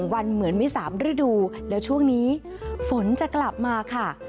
๑วันเหมือนวิสามฤดูแล้วช่วงนี้ฝนจะกลับมาค่ะ